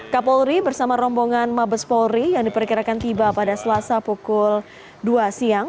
kapolri bersama rombongan mabes polri yang diperkirakan tiba pada selasa pukul dua siang